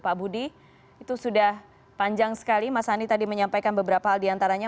pak budi itu sudah panjang sekali mas andi tadi menyampaikan beberapa hal diantaranya